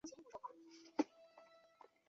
马库库是巴西里约热内卢州的一个市镇。